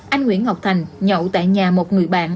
anh nguyễn ngọc thành nhậu tại nhà một người bạn